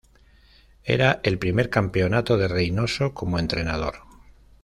Era el primer campeonato de Reinoso como entrenador.